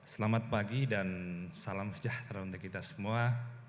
selamat pagi dan salam sejahtera untuk kita semua